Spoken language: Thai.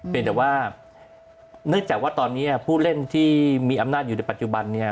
เป็นแต่ว่าเนื่องจากว่าตอนนี้ผู้เล่นที่มีอำนาจอยู่ในปัจจุบันเนี่ย